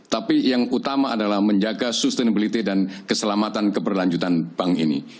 tapi yang utama adalah menjaga sustainability dan keselamatan keberlanjutan bank ini